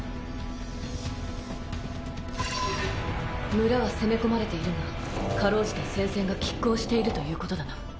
村は攻め込まれているが辛うじて戦線が拮抗しているということだな。